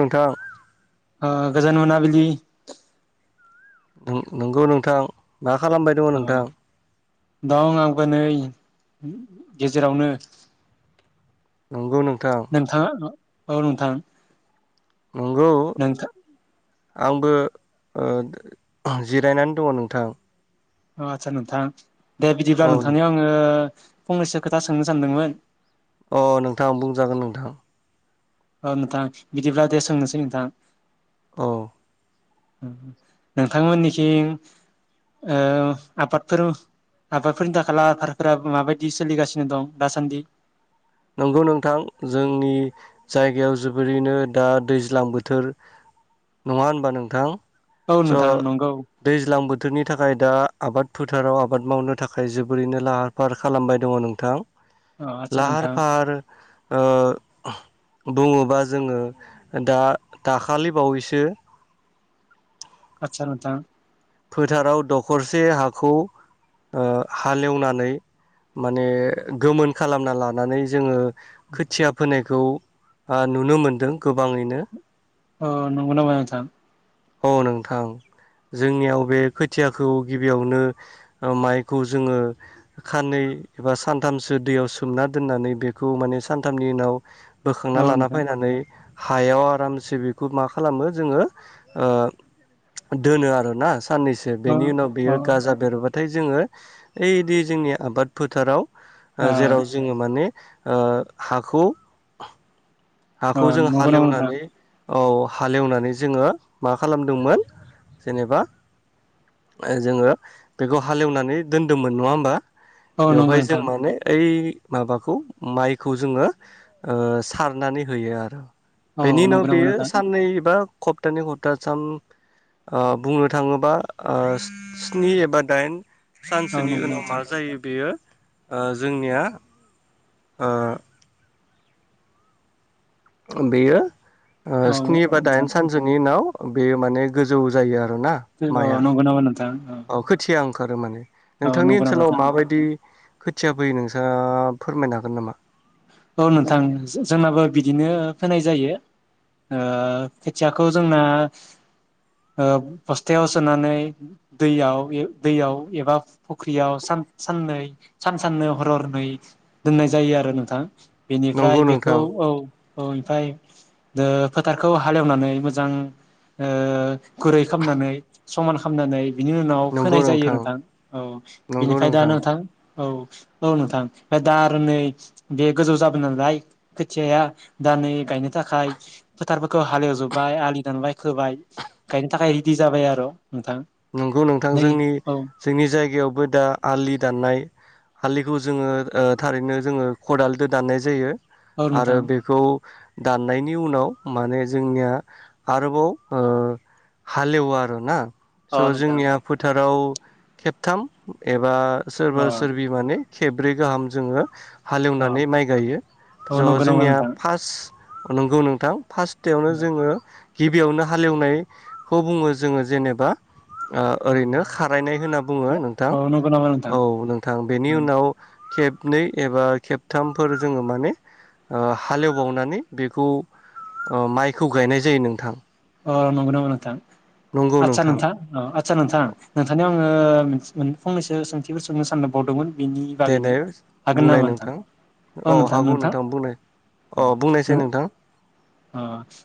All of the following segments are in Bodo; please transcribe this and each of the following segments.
नोंथां ओ गोजोन मोनाबिलि नों नोंगौ नोंथां। मा खालामबाय दङ ओ नोंथां? दं आंबो नै गेजेरावनो नंगौ नोंथां। नोंथाङा औ नोंथां। नंगौ नोंथा आंबो ओ जिरायनानै दङ नोंथां। अ आथसा नोंथां। दे बिदिब्ला औ नोंथांनियाव आङो फंनैसो खोथा सोंनो सानदोंमोन। अ नोंथां बुंजागोन नोंथां। ओ नोंथां बिदिब्ला दे सोंनोसै नोंथां। औ। उम नोंथांमोननिथिं ओ आबादफोर आबादफोरनि थाखाय लाहार फाहारफोरा माबायदि सोलिगासिनो दं दासान्दि। नंगौ नोंथां जोंनि जायगायाव जोबोरैनो दा दैज्लां बोथोर नङा होनबा नोंथां। औ स नोंथां नंगौ दैज्लां बोथ थोरनि थाखाय दा आबाद फोथाराव आबाद मावनो थाखाय जोबोरैनो लाहार फाहार खालामबाय दङ नोंथां। अ आथसा लाहार नोंथां। फाहार आरो ओ बुङोबा जोङो दा दाखालि बावैसो आथसा नोंथां। फोथाराव दखरसे हाखौ ओ हालेवनानै माने गोमोन खालामना लानानै जोङो खोथिया फोनाय खौ ओ नुनो मोनदों गोबाङैनो। औ नंगौ नामा नोंथां। औ नोंथां। जोंनियाव बे खोथियाखौ गिबियावनो ओ माइखौ जोङो खानै एबा सानथामसो दैयाव सोमना दोननानै बेखौ माने सानथामनि उनाव। औ बोखांना लाना नोंथां फायनानै हायाव आरामसे बेखौ मा खालामो जोङो ओ दोनो आरो। ना साननैसो अ बेनि उनाव बियो गाजा बेरबा थाय जोङो ओइदि जोंनि आबाद फोथाराव अ ओ जेराव जोङो माने ओ हाखौ अ हाखौ जों नंगौ नामा नोंथां हालेवनानै औ हालेवनानै जोङो मा खालामदोंमोन जेनेबा ओ जोङो बेखौ हालेवनानै दोन्दोंमोन नङा होमबा। औ नंगौ बेवहाय जों नोंथां माने ओइ माबाखौ मायखौ जोङो ओ सार नानै होयो आरो। औ बेनि उनाव नंगौ नामा बेयो नोंथां साननै बा खप्थानि खप्थाथाम ओ बुंनो थाङोबा ओ स्नि एबा दाइन औ सानसोनि नंगौ नामा उनाव मा नोंथां जायो बेयो ओ जोंनिया ओ बेयो ओ औ स्नि बा नोंथां दाइन सानसोनि उनाव औ बेयो माने गोजौ जायो आरो नोंगौ नामा नोंथां? औ। ओंखारो माने औ नोंथांनि नंगौ नामा ओनसोलाव नोंथां माबायदि खोथिया फोयो नोंस्रा फोरमायनो हागोन नामा औ नोंथां जो जोंनाबो बिदिनो फोनाय जायो ओ खोथियाखौ जोंना ओ बस्थायाव सोनानै दैयाव ए दैयाव एबा फुख्रियाव सान साननै सान साननै हर हरनै दोननाय जायो आरो नों थां नंगौ बेनिफ्राय बेखौ नोंथां औ औ ओमफ्राय दा फोथारखौ हालेवनानै मोजां ओ गुरै खालामनानै समान खालामनानै बिनि उनाव फोनाय जायो नोंथां औ बिनिफ्राय दा नोंथां औ औ नोंथां ओमफ्राय दा आरो नै बे गोजौ जाबाय नालाय खोथियाया दा नै गायनो थाखाय फोथारफोरखौ हालेवजोबबाय आलि दानबाय खोबाय गायनो थाखाय रेदि जाबाय आरो नोंथां नंगौ नोंथां नै जोंनि औ जोंनि जायगायाव बो दा आलि दाननाय आलिखौ जोङो ओ थारैनो जोङो खदालजों दाननाय जायो औ आरो नोंथां बेखौ दाननायनि उनाव माने जोंनिया आरोबाव ओ हालेवो आरोना अ स नोंथां जोंनिया फोथाराव खेबथाम एबा अ सोरबा सोरबि माने खेबब्रै गाहाम जोङो अ हालेवनानै माइ गायो औ ज नंगौ नामा जोंनिया नोंथां फास्ट अ नंगौ नोंथां फास्ट थायावनो जोङो गिबियावनो हालेवनायखौ बुङो जोङो जेनेबा ओ ओरैनो खारायनाय होनना बुङो नोंथां औ नंगौ नामा नोंथां औ नोंथां बेनि उनाव खेब नै एबा खेबथामफोर जोङो माने ओ हालेवबावनानै बेखौ ओ माइखौ गायनाय जायो नोंथां। अ नोंगौ नामा नोंथां आदसा नोंथां औ आदसा नोंथां नोंथांनियाव आङो मोन फंनैसो सोंथिफोर सोंनो सानबावदोंमोन बेनि बागैनो देनाय हागोन नामा नोंथां अ औ नोंथां नोंथां हागौ नोंथां बुंनाय अ बुंनायसै ओ नोंथां अ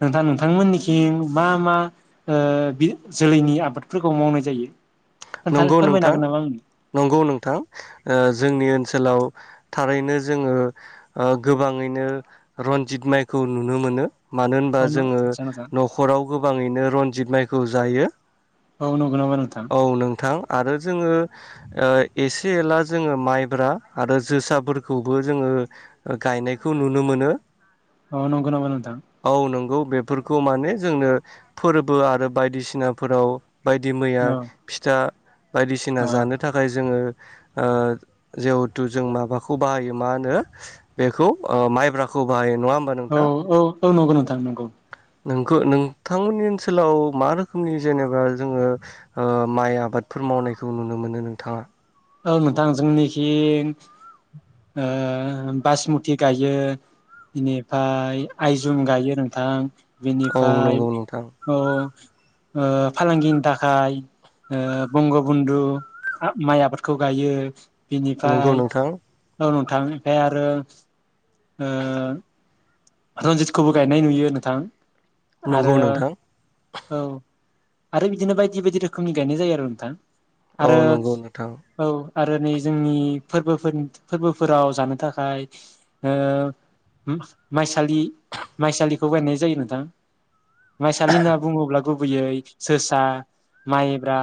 नोंथां नोंथां मोननि थिं मा मा ओ बि जोलैनि आबादफोरखौ मावनाय जायो खोन्थानो नंगौ फोरमायनो नोंथां हागोन नामा आंनो नंगौ नोंथां ओ जोंनि ओन सोलाव थारैनो जोङो ओ गोबाङैनो रन्जित माइखौ नुनो मोनो मानो होनबा औ न जोङो आदसा नोंथां नखराव गोबाङैनो रनजित माइ खौ जायो औ न औ नोंथां आरो जोङो ओ एसे एला जोङो माइब्रा आरो जोसाफोरखौबो जोङो गायनायखौ नुनो मोनो अ नंगौ नामा नोंथां? औ नंगौ बेफोरखौ माने जोंनो फोरबो आरो बायदिसिनाफोराव बायदि मैया औ फिथा बायदिसिना जानो थाखाय जोङो ओ जिहेथु जों माबाखौ बाहायो मा होनो बेखौ ओ माइब्राखौ बाहायो नङा होमबा औ नोंथां औ औ नंगौ नोंथां नंगौ नोंखो नोंथांमोननि ओनसोलाव मा रोखोमनि जेनेबा जोङो ओ माइ आबादफोर मावनायखौ नुनो मोनो नोंथाङा औ नोंथां जोंनिखि ओ बासमुति गायो बेनिफ्राय आइजुम गायो नोंथां औ बेनिफाय नंगौ नोंथां औ औ ओ फालांगिनि थाखाय ओ बंग बन्धु माइ आबाद खौ गायो। नंगौ बिनिफ्राय नोंथां थांनिफ्राय आरो ओ रन्जितखौबो गायनाय नुयो नोंथां आरो नंगौ नोंथां औ आरो बिदिनो बायदि बायदि रोखोमनि गायनाय जायो आरो नोंथां औ आरो नंगौ नोंथां औ आरो नै जोंनि फोरबोफोरनि फोरबोफोराव जानो थाखाय ओ होम माइसालि माइसालिखौ गायनाय जायो नोंथां माइसालि होनना बुङोब्ला गुबैयै जोसा माइ ब्रा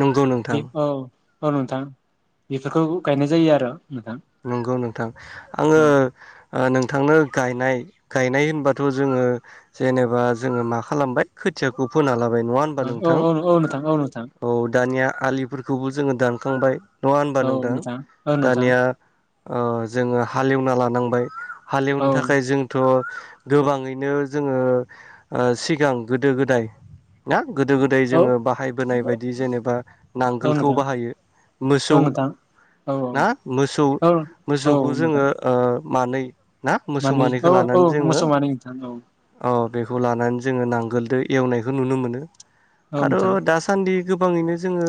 नंगौ बे नोंथां औ औ नोंथां बेफोरखौ गायनाय जायो आरो नोंथां नंगौ नोंथां आङो औ ओ नोंथांनो गायनाय गायनाय होनबाथ' जोङो जेनेबा जोङो मा खालामबाय खोथियाखौ फोना लाबाय नङा होमबा औ नोंथां औ औ नोंथां औ नोंथां औ दानिया आलि फोरखौबो जोङो दानखांबाय नङा होनबा औ नोंथां औ नोंथां दानिया ओ जोङो हालेवना लानांबाय हालेवनो औ थाखाय जोंथ' गोबाङैनो जोङो ओ सिगां गोदो गोदाय ना गोदो गोदाय औ जोङो बाहायबोनाय बायदि जेनेबा औ नांगोलखौ नोंथां बाहायो मोसौ औ नोंथां औ औ ना मो औ मोसौखौ जोङो ओ ओ मानै ना मोसौ मानैखौ औ लानानै जोङो मोसौ मानै नोंथां औ। अ बेखौ लानानै जोङो नांगोलदो एवनायखौ नुनो मोनो। औ आरो नोंथां दासान्दि गोबाङैनो जोङो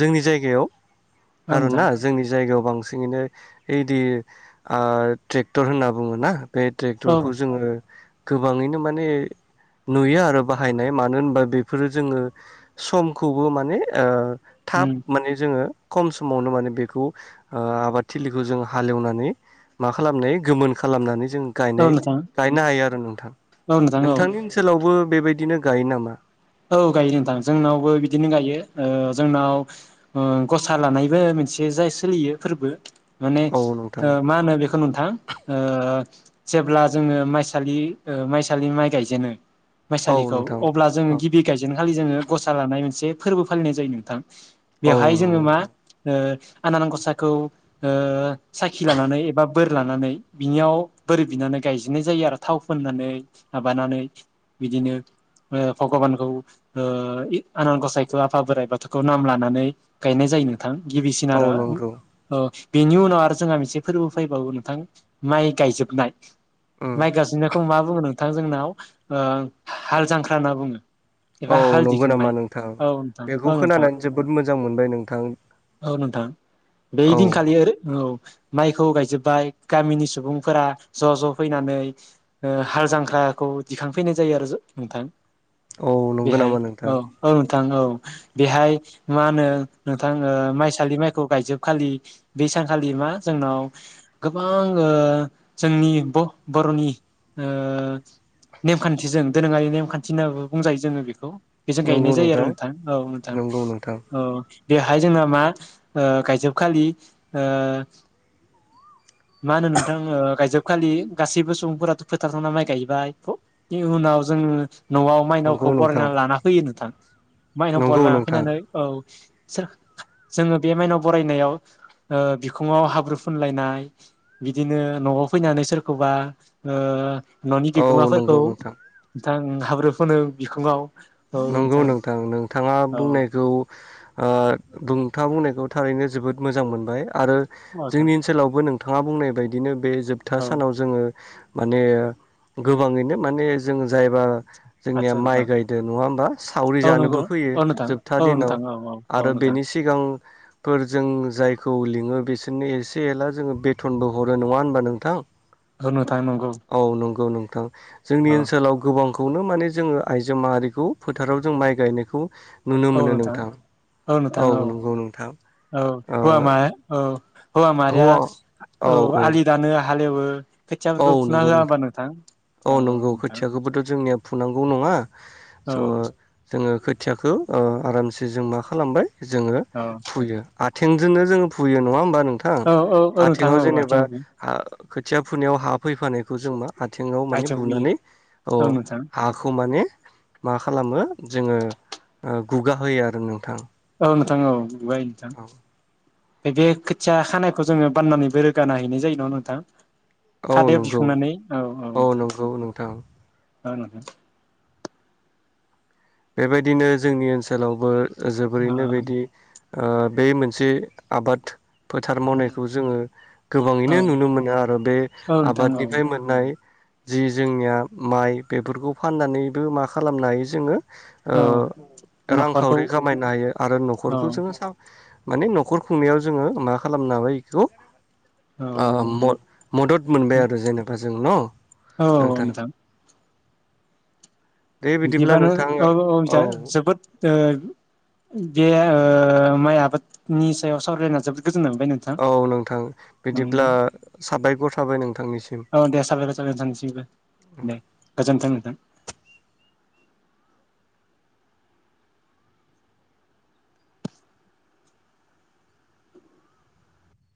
जोंनि जायगायाव औ नोंथां आरोना जोंनि जायगायाव सिङैनो ओइदि आ ट्रेक्टर होनना बुङो ना बे औ ट्रेक्टरखौ जोङो गोबाङैनो माने नुयो आरो बाहायनाय मानो होनबा बेफोरो जोङो समखौबो माने ओ थाब उम माने जोङो खम समावनो माने बेखौ ओ आबाद थिलिखौ जों हालेवनानै मा खालामनाय गोमोन खालामनानै जों औ गायनाय नोंथां गायनो हायो आरो नोंथां। औ नोंथां औ नोंथांनि ओनसोलावबो बेबायदिनो गायो नामा? औ गायो नोंथां जोंनावबो बिदिनो गायो। ओ जोंनाव ओ गसा लानायबो मोनसे जाय सोलियो फोरबो माने औ नोंथां ओ मा होनो बेखौ नोंथां ओ जेब्ला जोङो माइसालि ओ माइसालि माइ गायजेनो औ माइसालिखौ नोंथां अब्ला जोङो औ गिब खालि जोङो गसा लानाय मोनसे फोरबो फालिनाय जायो नोंथां। औ बेवहाय नंगौ जोङो मा नोंथां ओ आनान गसाइखौ ओ साखि लानानै एबा बोर लानानै बिनियाव बोर बिनानै गायजेननाय जायो आरो थाव फोननानै माबानानै बिदिनो ओ भगबान औ ओ इ आनान गसाइखो आफा बोराइ बाथौखौ नाम लानानै गायनाय जायो नोंथां गिबिसिन औ आरो उम नंगौ ओ बेनि उनाव आरो जोंहा मोनसे फोरबो फैबावो नोंथां माइ गायजोबनाय। उम माइ गायजोबनायखौ मा बुङो नोंथां जोंनाव? ओ हा-हाल जांख्रा होनना बुङो। एबा औ हाल नंगौ नामा दिखांनाय नोंथां? औ नोंथां औ बेखौ नोंथां खोनानानै जोबोद मो जां मोनबाय नोंथां। औ नोंथां। बे औ दिनखालि आरो औ माइखौ गायजोबबाय गामिनि सुबुंफोरा ज' ज' फैनानै ओ हाल जांख्राखौ दिखांफैनाय जायो आरो जो नोंथां। औ नंगौ नामा नोंथां? थां औ बेहाय मा होनो नोंथां ओ माइसालि माइखौ गायजोबखालि बे सानखालि मा जोंनाव गोबां ओ जोंनि ब-बर'नि ओ नेमखान्थिजों दोरोङारि नेमखान्थि नांगौ बुंजायो जोङो बेखौ। बेजों गायनाय जायो आरो नोंथां औ नोंथां नंगौ नोंथां औ हाय जोंना मा ओ गायजोबखालि ओ मा होनो नोंथां ओ गायजोब खालि गासैबो सुबुंफोराथ' फोथाराव [unintelligible] माइ गायहैबाय बिनि उनाव जोङो न'आव नंगौ माइनावखौ नोंथां बरायना लाना फैयो नोंथां। माइनाव नंगौ बरायला नोंथां हाबफैनानै औ सोर जोङो बे माइनाव बरायनायाव ओ बिखुङाव हाब्रु फुनलायनाय बिदिनो न'आव फैनानै सोरखौबा ओ न'नि औ नंगौ बिगोमाफोरखौ नोंथां थां हाब्रु फुनो बिखुङाव। नंगौ नोंथां नोंथाङा औ बुंनायखौ ओ बुंथाङा थारैनो जोबोद मोजां मोनबाय। आरो नोंथां जोंनि ओनसोलावबो नों थाङा बुंनाय बायदिनो बे जोबथा औ सानाव जोङो माने गोबाङैनो माने जों जायबा जोंनिया आदसा माइ नोंथां गायदो नङा सावरि औ नंगौ जानोबो फैयो औ नोंथां जोबथा औ दिनाव नोंथां औ औ औ आरो नोंथां बेनि सिगां फोर जों जायखौ लिङो बिसोरनो एसे एला जोङो बेथनबो हरो नङा होनबा नोंथां। गौ नोंथां नंगौ। नंगौ औ नोंथां जोंनि औ ओनसोलाव गोबांख खौनो माने जोङो आइजो माहारिखौ फोथाराव जों माइ गायनायखौ नुनो औ मोनो नोंथां औ नोंथां औ नंगौ नोंथां औ ओ हुवा माहा औ हौवा माहारिया औ आलि दाननो हालेवो औ खोथियाफोरखौ फुना नंगौ होआ होमबा नोंथां? औ नंगौ खोथियाखौबोथ' जोंनिया फुनांगौ नङा औ स' जोङो खोथियाखौ आराम से जों मा खालामबाय जोङो औ फुयो आ थेंजोंनो जोङो फुयो नङा होनबा। नोंथां औ औ नोंथां आथेङाव औ जेनेबा आथिङाव खोथिया फुनायाव हा फैफानायखौ जों मा आ थिङाव माने आथिङाव बुयो बुनानै अ औ नोंथां हाखौ माने मा खालामो जोङो गुगा होयो आरो नोंथां औ नोंथां औ [unintelligible] बे खोथिया खानायखौ जोङो बाननानैबो रोगाना हैनाय जायो न नोंथां औ खादायाव नंगौ दिखांनानै औ नोंथां नंगौ नोंथां [unintelligible] बेबायदिनो जोंनि ओनसोलावबो औ जोबोरैनो बिदि ओ बे मोनसे आबाद फोथार मावनायखौ औ जोङो गोबाङैनो नुनो मोनो आरो बे औ नोंथां औ आबादनिफ्राय मोननाय जि जोंनिया माइ बेफोरखौ फाननानैबो मा खालामनो हायो जोङो। ओ औ न'खरखौ रांखावरि खामायनो हायो आरो औ नखरखौ जोङो। माने नखर खुंनायाव जोङो मा खालामनो हाबाय बेखौ। औ ओ मदद मोनबाय आरो जेनेबा जों न नोंथां। दे बिदिब्ला बिदिबानो नोंथां औ औ जा जोबोद [unintelligible] बे आङो माइ आबादनि सायाव सावरायना जोब औ नोंथां बिदिब्ला साबायखर थाबाय नोंथांनिसिम औ दे साबायखर थाबाय नोंथांनिसिमबो औ। दे गोजोन्थों नोंथां।